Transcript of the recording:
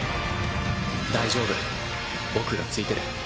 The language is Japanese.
大丈夫僕が付いてる。